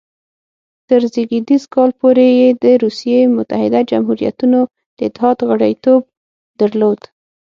تر زېږدیز کال پورې یې د روسیې متحده جمهوریتونو د اتحاد غړیتوب درلود.